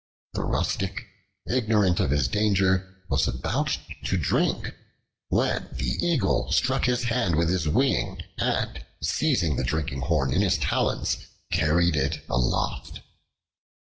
The rustic, ignorant of his danger, was about to drink, when the Eagle struck his hand with his wing, and, seizing the drinking horn in his talons, carried it aloft.